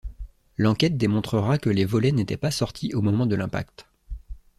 L'enquête démontrera que les volets n'étaient pas sortis au moment de l'impact.